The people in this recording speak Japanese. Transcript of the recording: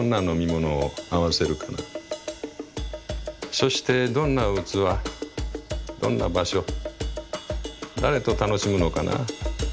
「そしてどんな器どんな場所誰と楽しむのかな？」。